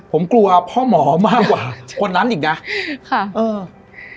ผมกลัวพ่อหมอมากกว่าคนนั้นอีกนะค่ะเออ